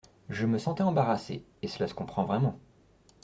Je me sentais embarrassée, Et cela se comprend vraiment !